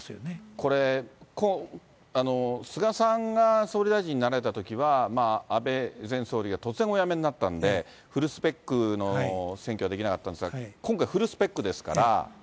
これ、菅さんが総理大臣になられたときは、安倍前総理が突然お辞めになったので、フルスペックの選挙はできなかったんですが、今回、フルスペックですから。